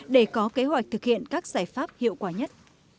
để có kế hoạch thực hiện các giải pháp hiệu quả nhất